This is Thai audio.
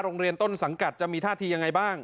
ต้นสังกัดจะมีท่าทียังไงบ้าง